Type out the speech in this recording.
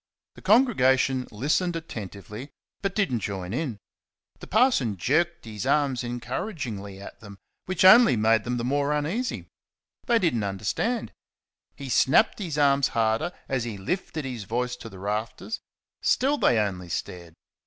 The congregation listened attentively, but did n't join in. The parson jerked his arms encouragingly at them, which only made them the more uneasy. They did n't understand. He snapped his arms harder, as he lifted his voice to the rafters; still they only stared.